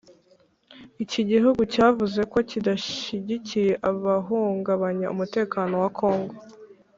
iki gihugu cyavuze ko kidashyigikiye abahungabanya umutekano wa congo